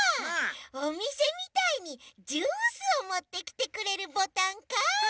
おみせみたいにジュースをもってきてくれるボタンか！